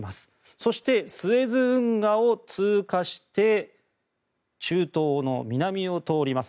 そしてスエズ運河を通過して中東の南を通ります。